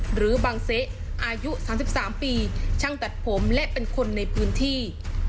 หรือบางเซะอายุ๓๓ปีช่างตัดผมและเป็นคนในพื้นที่